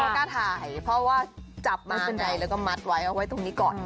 กล้าถ่ายเพราะว่าจับมาบันไดแล้วก็มัดไว้เอาไว้ตรงนี้ก่อน